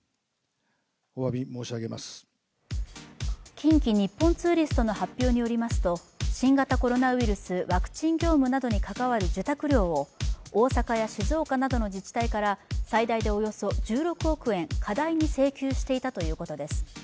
近畿日本ツーリストの発表によりますと、新型コロナウイルスワクチン業務などに関わる受託料を大阪や静岡などの自治体から最大でおよそ１６億円、過大に請求していたということです。